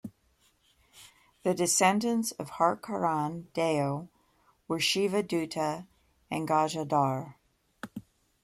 The descendants of Harkaran Deo were Shivadutta and Gajadhar.